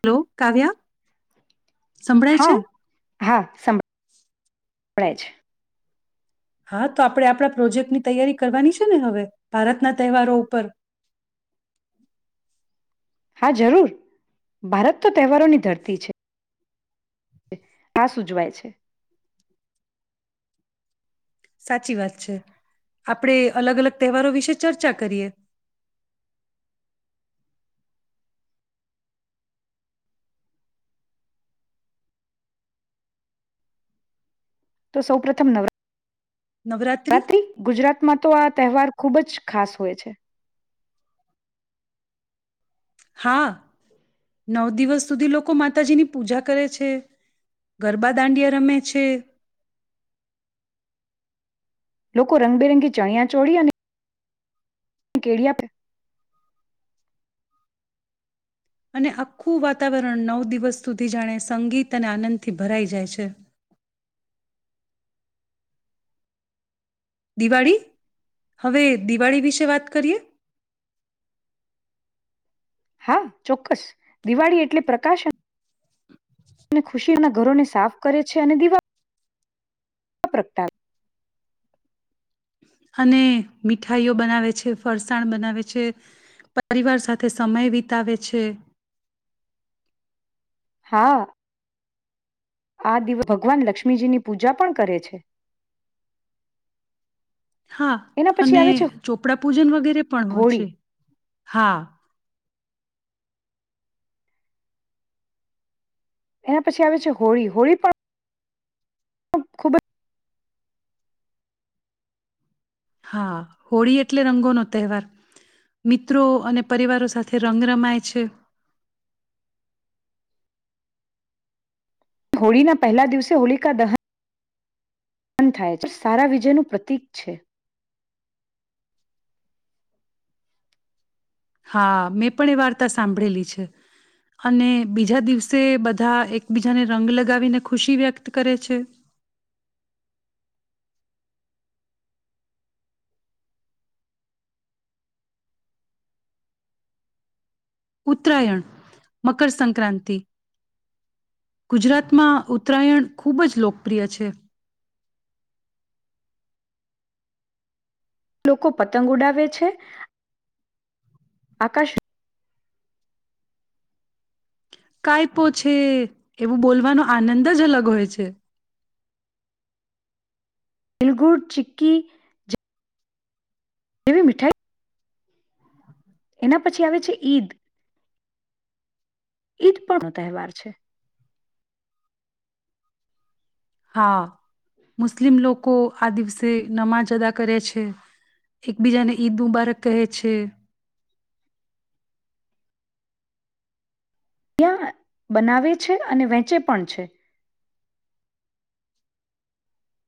Hello Kavya સંભળાય છે? હા હા સંભળાય છે. હા તો આપણે આપણા પ્રોજેક્ટની તૈયારી કરવાની છે ને હવે ભારતના તહેવારો ઉપર હા જરૂર ભારત તો તહેવારોની ધરતી છે ખાસ ઉજવાય છે. સાચી વાત છે આપણેે અલગ અલગ તહેવારો વિશે ચર્ચા કરીએ. તો સૌ પ્રથમ નવરા નવરાત્રિ રાત્રિ ગુજરાતમાં તો આ તહેવાર ખુબ જ ખાસ હોય છે. હા નવ દિવસ સુધી લોકો માતાજીની પૂજા કરે છે ગરબા દાંડિયા રમે છે લોકો રંગબેરંગી ચણિયા ચોળ્યા અને હ કેડીયા પ અને આખું વાતાવરણ નવ દિવસ સુધી જાણે સંગીત અને આનંદથી ભરાઈ જાય છે દિવાળી હવે દિવાળી વિશે વાત કરીએ હા ચોક્કસ, દિવાળી એટલે પ્રકાશન રના ઘરોને સાફ કરે છે અને દિવા પ્રગટ અને મીઠાઈઓ બનાવે છે ફરસાણ બનાવે છે, પરિવાર સાથે સમય વિતાવે છે. હા. આ દિવસ ભગવાન લક્ષ્મીજીની પૂજા પણ કરે છે. હા એના પછી અને આવે છે આપણા પજનગેરે. પણ હો હોળી છે, હા. એના પછી આવે છે હોળી હોળી પણ ખૂબ જ હા હોળી એટલે રંગોનો તહેવાર, મિત્રો અને પરિવારો સાથે રંગ રમાય છે. હોળીના પહેલા દિવસે હોળિકા દહન બન થાય, સારા વિજયનું પ્રતીક છે. હા મેં પણ એ વાર્તા સાંભળેલી છે, અને બીજા દિવસે બધા એકબીજાને રંગ લગાવીને ખુશી વ્યક્ત કરે છે. ઉત્તરાયણ, મકરસંક્રાંતિ, ગુજરાતમાં ઉત્તરાયણ ખૂબ જ લોકપ્રિય છે. લોકો પતંગ ઉડાવે છે, આકાશ કાયપો છે એવું બોલવાનો આનંદ જ અલગ હોય છે. એલગુડ ચિકિ જ એવી મીઠાઈ એના પછી આવે છે ઈદ ઈદ પણનો તહેવાર છે. હા. મુસ્લિમ લોક લોકો આ દિવસે નમાજ અદા કરે છે, એકબીજાને ઈદ મુબારક કહે છે. ત્યાં બનાવે છે અને વેચે પણ છે.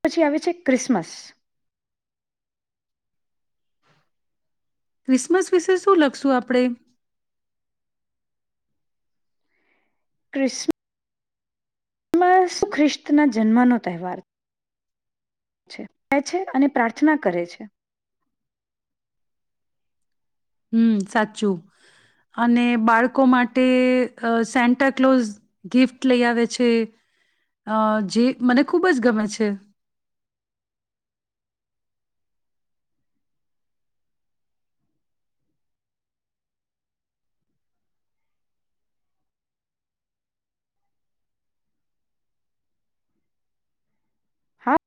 પછી આવે છે ક્રિસમસ. ક્રિસમસ વિશે શું લખશું આપણે? ખ્રિસમ સુ ખ્રિસ્ત ના જન્મનો તહેવાર છે અને પ્રાર્થના કરે છે. હમ સાચું, અને બાળકો માટે સેન્ટા કલોઝ ગિફ્ટ લઈ આવે છે, અ જે મને ખૂબ જ ગમે છે.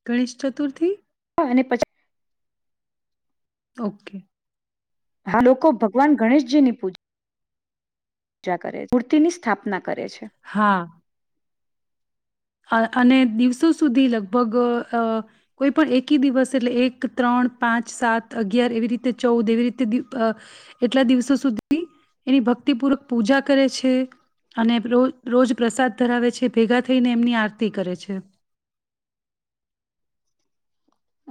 ગણેશ ચતુર્થી હા અને પછી ઓકે. હા લોકો ભગવાન ગણેશજીની પૂજા પૂજા કરે મૂર્તિની સ્થાપના કરે છે. હા અને દિવસો સુધી લગભગ અ કોઈ પણ એકી દિવસ એટલે એક ત્રણ પાંચ સાત અગિયાર એવી રીતે ચૌદ એવી રીતે, એટલા દિવસો સુધી એની ભક્તિપૂર્વક પૂજા કરે છે, અને ર રોજ પ્રસાદ ધરાવે છે, ભેગા થઈને એમની આરતી કરે છે.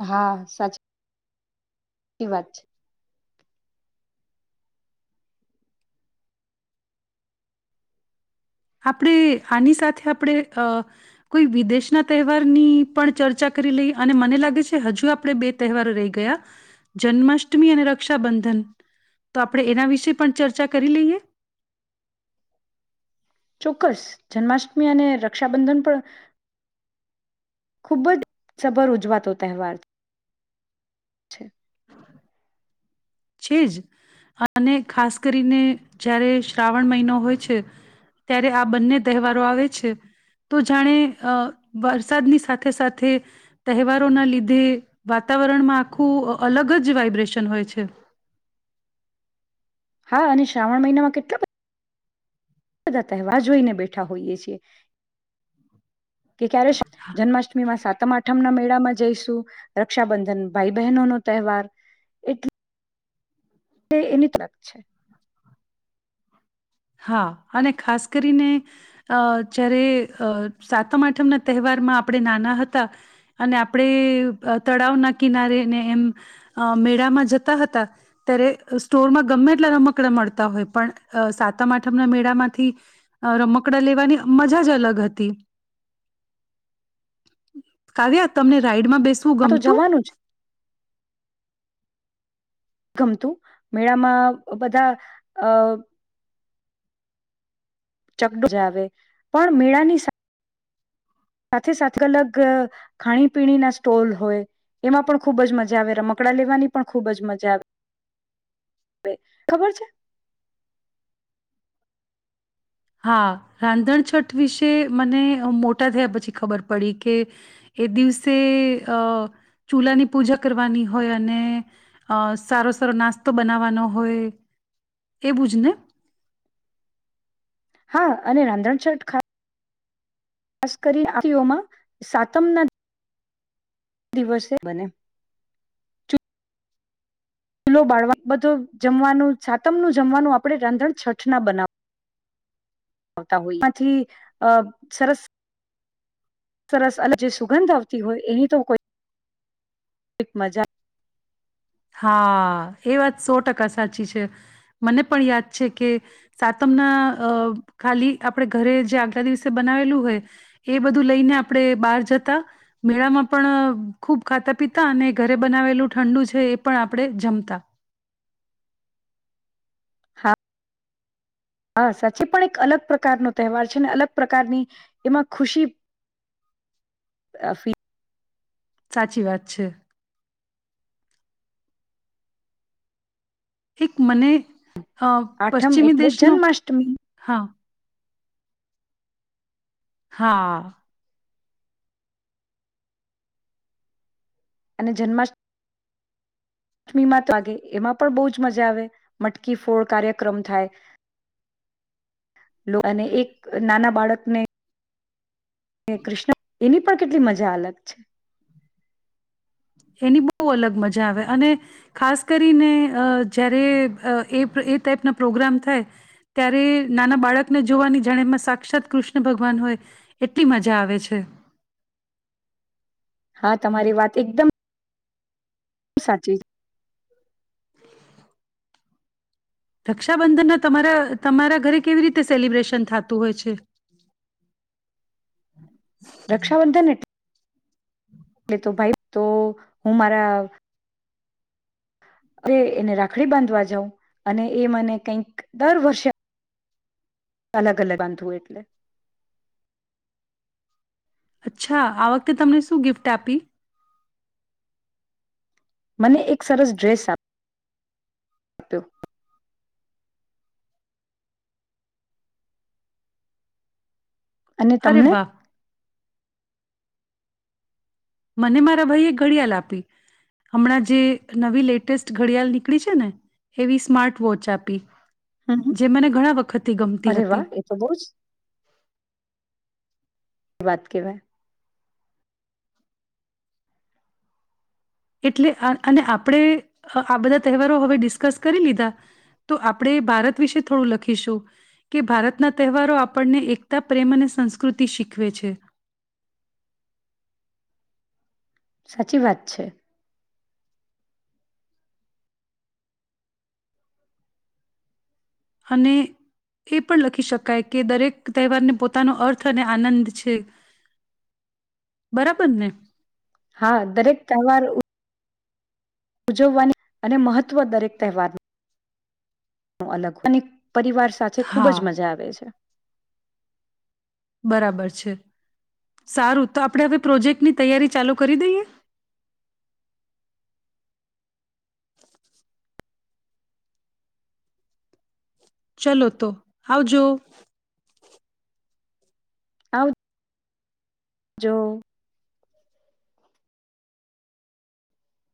હા સાચી સાચી વાત છે. આપણે આની સાથે આપણે, અ કોઈ વિદેશના તહેવારની પણ ચર્ચા કરી લઈએ અને મને લાગે છે, હજુ આપણે બે તહેવારો રહી ગયા જન્માષ્ટમી અને રક્ષાબંધન તો આપણે એના વિશે પણ ચર્ચા કરી લઈએ. ચોક્કસ જન્માષ્ટમી અને રક્ષાબંધન પણ ખૂબ જ સભર ઉજવાતો તહેવાર છે. છે જ, અને ખાસ કરીને જારે શ્રાવણ મહિનો હોય છે, ત્યારે આ બંને તહેવારો આવે છે, તો જાણે વરસાદની સાથે સાથે, તહેવારોના લીધે વાતાવરણમાં આખું અલગ જ વાઈબ્રેશન હોય છે. હા અને શ્રાવણ મહિનામાં કેટલા બ બધા તહેવાર જોઈને બેઠા હોઈએ છીએ. કે ક્યારે જન્માષ્ટમી માં સા તમાઠમના મેળામાં જઈશું રક્ષાબંધન ભાઈ બહેનો નો તહેવાર એટ તે એની ત્રક્ છે. હા અને ખાસ કરીને અ જારે સાતમ આઠમના તહેવારમાં આપણે નાના હતા અને આપણે તળાવના કિનારેને એમ મેળામાં જતા હતા ત્યારે સ્ટોરમાં ગમેટલા રમકડા મળતા હોય પણ સાત મના મેળા માંથી રમકડા લેવાની મજા જ અલગ હતી કાવ્યા તમને એમાં બેસવું આ તો ગમતું. જવાનું જ ગમતું મેળામાં બધા અ ચકડ આવે પણ મેળાની સા સાથે સાથે અલગ ખાણીપીણીના સ્ટોલ હોય એમાં પણ ખૂબ જ મજા આવે રમકડા લેવાની પણ ખૂબ જ મજા આવે ખબર છે. હા રાંધણછઠ વિશે મને મોટા થયા પછી ખબર પડી કે એ દિવસે ચૂલાની પૂજા કરવાની હોય અને સારો સારો નાસ્તો બનાવવાનો હોય એવું જ ને. હા અને રાંધણ શર્ટ ખા- ખાસ કરી આઓમાં સાતમના દિવસે બને. ચૂલો બાળવા બધો જમવાનું સાતમનું જમવાનું આપણે રાંધણ છઠ ના બનાવ આવતા હોય એમાંથી અ સરસ. સરસ અને જે સુગંધ આવતી હોય એની તો કોઈક મજા હા એ વાત સો ટકા સાચી છે મને પણ યાદ છે કે સાતમના ખાલી આપણે ઘરે જે આગલા દિવસે બનાવેલું હોય એ બધું લઈને આપણે બહાર જતા મેળામાં પણ ખૂબ ખાતા પીતા અને ઘરે બનાવેલું ઠંડુ છે એ પણ આપણે જમતા. હા હા સાચી પણ એક અલગ પ્રકારનો તહેવાર છે અને અલગ પ્રકારની એમાં ખુશી અફી સાચી વાત છે. એક મને હ આઠમ પશ્ચિમી એટલે દેશ નું જન્માષ્ટમી હા. હા. અને જન્માષ્ટમીમાં વાગે એમાં પણ બહ જ મજા આવે મટકી ફોડ કાર્યક્રમ થાય અને એક નાના બાળકને હ કૃષ્ણ. એની પણ કેટલી મજા અલગ છે. એની બહુ અલગ મજા આવે અને ખાસ કરીને અ જ્યારે એ એ ટાઈપના પ્રોગ્રામ થાય ત્યારે નાના બાળકને જોવાની જાણે એમાં સાક્ષાત કૃષ્ણ ભગવાન હોય એટલી મજા આવે છે. હા તમારી વાત એકદમ શ સાચી. રક્ષાબંધનના તમારા તમારા ઘરે કેવી રીતે સેલિબ્રેશન થતું હોય છે. રક્ષાબંધન એટલે એટલે તો ભાઈ તો હું મારા હ એને રાખડી બાંધવા જાવ અને એ મને કઈક દર વર્ષે અલગ અલગ આંધવ એટલે અચ્છા આ વખતે તમને શું ગિફ્ટ આપી? મને એક સરસ ડ્રેસ આપ્યો. અને અરે તમને? વાહ મને મારા ભાઈ એક ઘડિયાળ આપી હમણાં જે નવી લેટેસ્ટ ઘડિયાળ નીકળી છે ને એવી સ્માર્ટ વોચ આપી. હમ હમ જે મને ઘણા વખતથી ગમતી અરે હતી. વાહ એ તો બહુ જ એ વાત કેવાય એટલે અને આપણે આ બધા તહેવારો હવે ડિસ્કસ કરી લીધા તો આપણે ભારત વિશે થોડું લખીશું કે ભારતના તહેવારો આપણને એકતા પ્રેમ અને સંસ્કૃતિ શીખવે છે. સાચી વાત છે. અને એ પણ લખી શકાય કે દરેક તહેવારને પોતાનો અર્થ અને આનંદ છે, બરાબર ને હા દરેક તહેવાર ઉજવવાની અને મહત્ત્વ દરેક તહેવારનું. અલગ હોય અને પરિવાર સાથે ખુબ હા જ મજા આવે છે. બરાબર છે સારું તો આપણે હવે પ્રોજેક્ટની તૈયારી ચાલુ કરી દઈએ. ચલો તો આવજો. આવ જો.